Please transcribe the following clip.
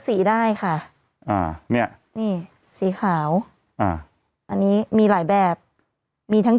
สีได้ค่ะอ่าเนี้ยนี่สีขาวอ่าอันนี้มีหลายแบบมีทั้ง